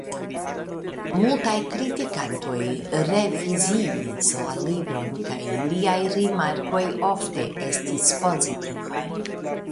Multaj kritikantoj reviziis la libron kaj iliaj rimarkoj ofte estis pozitivaj.